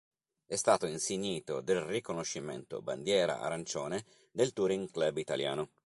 È stato insignito del riconoscimento Bandiera Arancione del Touring Club Italiano.